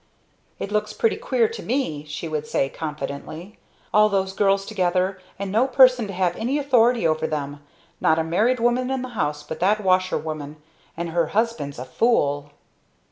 "It looks pretty queer to me!" she would say, confidentially, "All those girls together, and no person to have any authority over them! Not a married woman in the house but that washerwoman, and her husband's a fool!"